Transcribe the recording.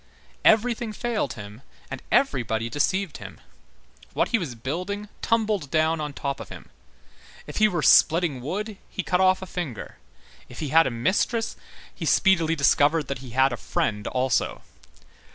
Everything failed him and everybody deceived him; what he was building tumbled down on top of him. If he were splitting wood, he cut off a finger. If he had a mistress, he speedily discovered that he had a friend also.